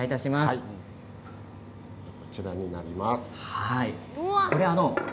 こちらになります。